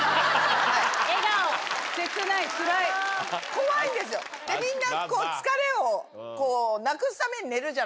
怖いんですよでみんな。